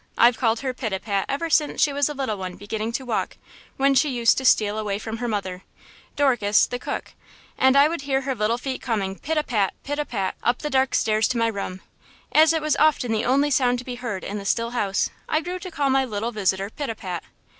I've called her Pitapat ever since she was a little one beginning to walk, when she used to steal away from her mother, Dorcas, the cook, and I would hear her little feet coming pit a pat, pit a pat, up the dark stairs up to my room. As it was often the only sound to be heard in the still house, I grew to call my little visitor Pitapat."